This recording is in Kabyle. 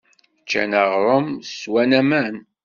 Ččan aɣrum, swan aman.